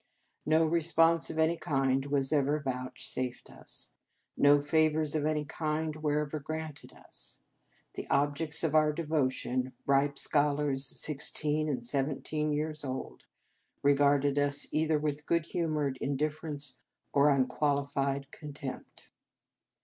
No response of any kind was ever vouchsafed us. No favours of any kind were ever granted us. The objects of our devotion ripe scholars sixteen and seventeen years old regarded us either with good humoured indifference or un qualified contempt.